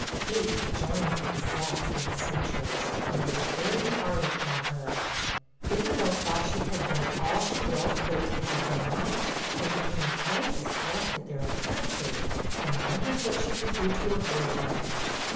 Kate joined with zest in the censures, and was very hard upon her. Isabella thought that she had done all she well could to have them nice; and became quite distressed at their appearances, and wondered what she should do to avoid them.